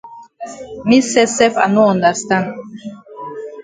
Me sef sef I no understand.